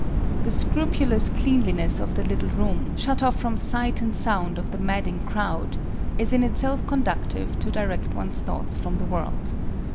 The scrupulous cleanliness of the little room, shut off from sight and sound of the madding crowd, is in itself conducive to direct one's thoughts from the world.